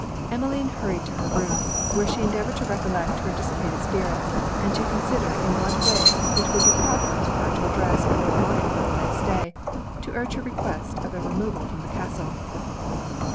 Emmeline hurried to her room; where she endeavoured to recollect her dissipated spirits, and to consider in what way it would be proper for her to address Lord Montreville the next day, to urge her request of a removal from the castle.